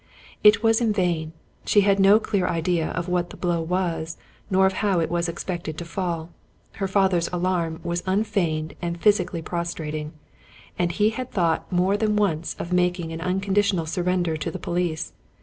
It was in vain. She had no clear idea of what the blow was, nor of how it was expected to fall. Her father's alarm was un feigned and physically prostrating, and he had thought more than once of making an unconditional surrender to the police.